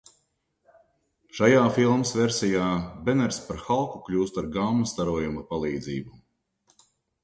Šajā filmas versijā Beners par Halku kļūst ar gamma starojuma palīdzību.